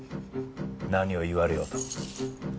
何を言われようと。